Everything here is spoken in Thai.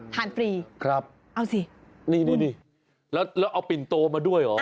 ทานฟรีครับเอาสินี่นี่นี่แล้วแล้วเอาปิ่นโต๊ะมาด้วยเหรอ